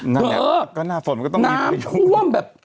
น้ำท่วมแบบ